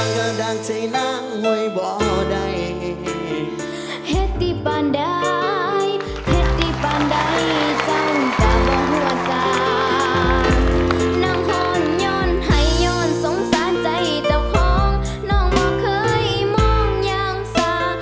ว่าสิ่งที่เจ้าของน้องไม่เคยมองยังซา